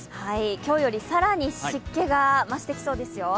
今日より更に湿気が増してきそうですよ。